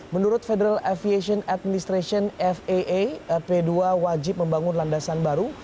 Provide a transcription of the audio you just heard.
menurut federal aviation administration faa p dua wajib membangun landasan baru